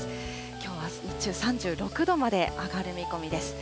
きょうは日中、３６度まで上がる見込みです。